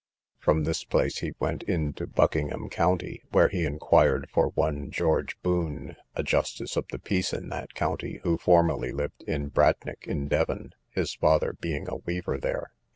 From this place he went into Buckingham county, where he inquired for one George Boon, a justice of the peace in that county, who formerly lived at Bradnich, in Devon, his father being a weaver there.